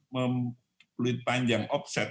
memulih panjang offset